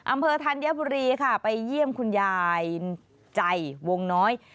อำเภอธรรยภุรีค่ะไปเยี่ยมคุณยายใจวงน้อย